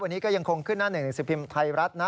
วันนี้ก็ยังคงขึ้นหน้า๑๑๑สิทธิ์ภิมศ์ไทยรัฐนะ